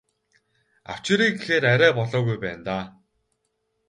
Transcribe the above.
Авчиръя гэхээр арай болоогүй байна даа.